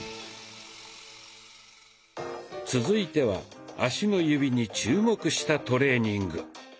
続いては足の指に注目したトレーニング。